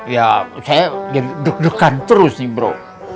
ya saya deg degan terus nih bro